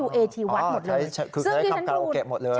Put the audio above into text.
คือใช้คำคาโอเกะหมดเลย